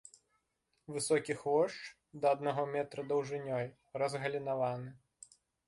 Высокі хвошч, да аднаго метра даўжынёй, разгалінаваны.